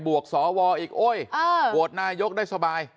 บวกสออออิกโอ้ยเออโหชโน่ไต้ได้สบาย